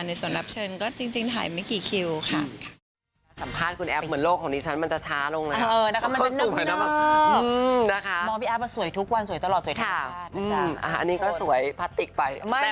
ในส่วนรับเชิญก็จริงหายไม่กี่คิวค่ะ